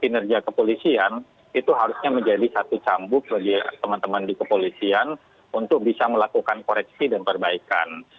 kinerja kepolisian itu harusnya menjadi satu cambuk bagi teman teman di kepolisian untuk bisa melakukan koreksi dan perbaikan